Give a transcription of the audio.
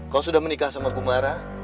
kamu sudah menikah sama bang mara